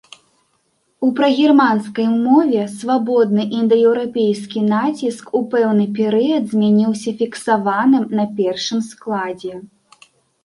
У прагерманскай мове свабодны індаеўрапейскі націск у пэўны перыяд змяніўся фіксаваным на першым складзе.